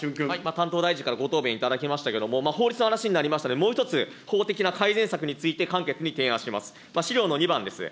担当大臣からご答弁いただきましたけども、法律の話になりましたので、もう１つ、法的な改善策について、かんきゃくに提案します。